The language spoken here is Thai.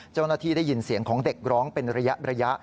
เจ้าหน้าที่ได้ยินเสียงของเด็กร้องเป็นระยะ